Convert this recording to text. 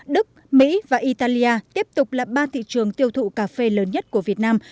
đức mỹ và italia tiếp tục là ba thị trường tiêu thụ cà phê lớn nhất của việt nam